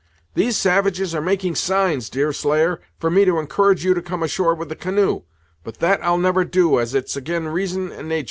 These savages are making signs, Deerslayer, for me to encourage you to come ashore with the canoe; but that I'll never do, as it's ag'in reason and natur'.